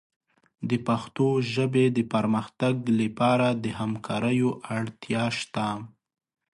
د پښتو ژبې د پرمختګ لپاره د همکاریو اړتیا شته.